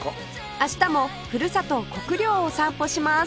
明日もふるさと国領を散歩します